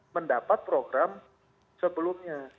mendapat program sebelumnya